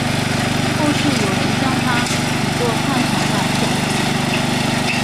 后世有人将他比作汉朝的贾谊。